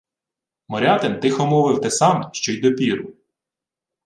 Морятин тихо мовив те саме, що й допіру: